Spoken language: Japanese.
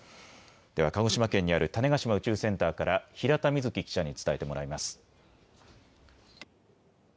では鹿児島県にある種子島宇宙センターから平田瑞季記者に伝えてもらいます。